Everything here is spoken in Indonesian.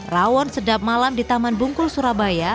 rawon sedap malam di taman bungkul surabaya